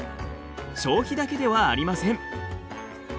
消費だけではありません。